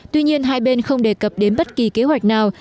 tuy nhiên hai bên không đề cập đến bất kỳ kế hoạch nào